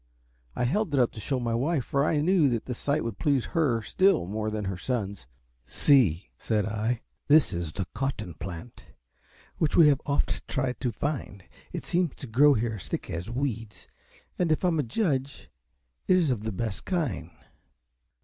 I held it up to show my wife, for I knew the sight would please her still more than her sons. "See," said I, "this is the COT TON plant, which you have oft tried to find. It seems to grow here as thick as weeds, and, if I am a judge, it is of the best kind."